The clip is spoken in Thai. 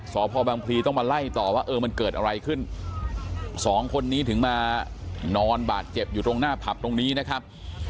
สพบังพลีต้องมาไล่ต่อว่าเออมันเกิดอะไรขึ้นสองคนนี้ถึงมานอนบาดเจ็บอยู่ตรงหน้าผับตรงนี้นะครับ